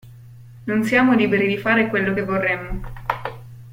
Non siamo liberi di fare quello che vorremmo.